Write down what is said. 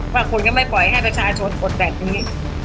ว่าคุณก็ไม่ปล่อยให้ประชาชนอดแบบนี้